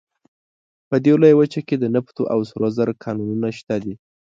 په دې لویه وچه کې د نفتو او سرو زرو کانونه شته دي.